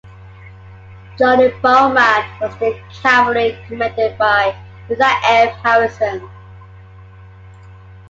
Joining Bowman was the cavalry commanded by Isaac F. Harrison.